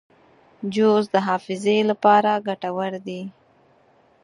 جوز د حافظې لپاره ګټور دي.